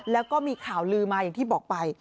แล้วก็มีข่าวลือมาอย่างที่บอกไป